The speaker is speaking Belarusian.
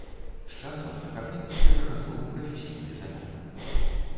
З часам захапленне перарасло ў прафесійны занятак.